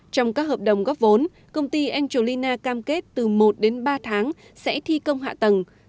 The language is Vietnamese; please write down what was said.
trong các hợp đồng góp vốn công ty angelina cam kết từ một đến ba tháng sẽ thi công hạ tầng